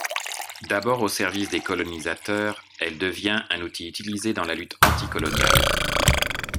D'abord au service des colonisateurs, elle devient un outil utilisé dans la lutte anti-coloniale.